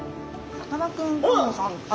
さかなクン香音さん